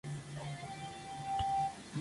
Sin embargo, la celebración sería corta.